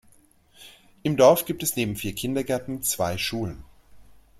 Im Dorf gibt es neben vier Kindergärten zwei Schulen.